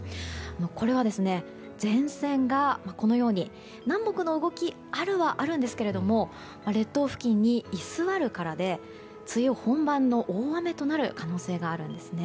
これは、前線が南北の動きあるはあるんですが列島付近に居座るからで梅雨本番の大雨となる可能性があるんですね。